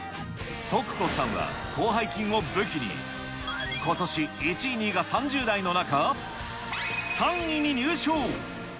とく子さんは、広背筋を武器に、ことし１位、２位が３０代の中、３位に入賞。